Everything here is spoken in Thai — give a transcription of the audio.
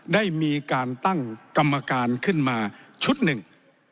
ได้มีการตั้งกรรมการขึ้นมาชุดหนึ่ง